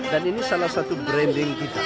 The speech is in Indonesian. dan ini salah satu branding kita